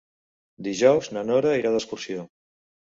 Dijous na Nora irà d'excursió.